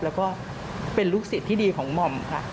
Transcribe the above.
แล้วก็เป็นลูกศิษย์ที่ดีของหม่อมค่ะ